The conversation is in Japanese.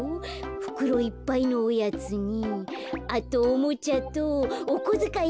ふくろいっぱいのおやつにあとおもちゃとおこづかいアップもいいねえ。